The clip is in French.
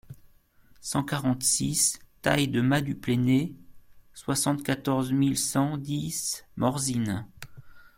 cent quarante-six taille de Mas du Pleney, soixante-quatorze mille cent dix Morzine